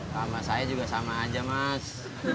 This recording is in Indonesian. sama saya juga sama aja mas